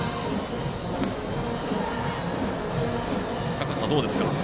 高さはどうですか？